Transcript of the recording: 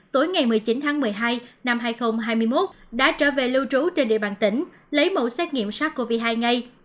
tối ngày một mươi chín tháng một mươi hai năm hai nghìn hai mươi một đã trở về lưu trú trên địa bàn tỉnh lấy mẫu xét nghiệm sars cov hai ngay